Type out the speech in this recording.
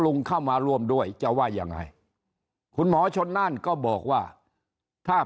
ลุงเข้ามาร่วมด้วยจะว่ายังไงคุณหมอชนน่านก็บอกว่าถ้า